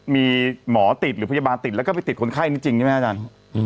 มีหมอติดหรือพยาบาลติดแล้วก็ไปติดคนไข้นี้จริงใช่ไหมอาจารย์